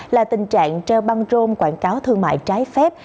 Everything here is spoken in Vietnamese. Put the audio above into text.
là tình trạng treo băng rôn quảng cáo thương mại trái phép